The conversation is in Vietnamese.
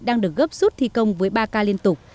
đang được gấp rút thi công với ba k liên tục